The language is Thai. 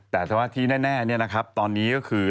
แต่ว่าที่แน่ตอนนี้ก็คือ